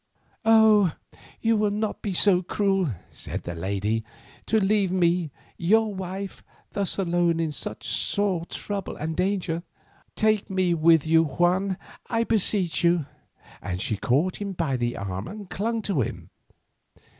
"Oh! you will not be so cruel," said the lady, "to leave me, your wife, thus alone and in such sore trouble and danger. Take me with you, Juan, I beseech you!" and she caught him by the arm and clung to him.